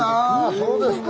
そうですか。